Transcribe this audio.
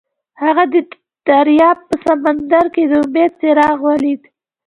هغه د دریاب په سمندر کې د امید څراغ ولید.